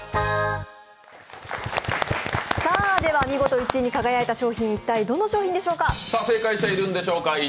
見事１位に輝いた商品、一体どの商品でしょうか。